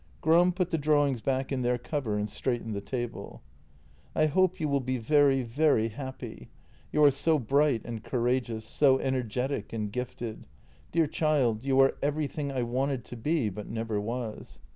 Gram put the drawings back in their cover and straightened the table. JENNY 159 " I hope you will be very, very happy. You are so bright and courageous, so energetic and gifted. Dear child, you are everything I wanted to be, but never was."